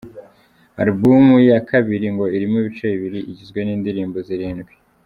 Alumubu ya kabiri ngo irimo ibice bibiri, igizwe n’indirimbo zirindwi.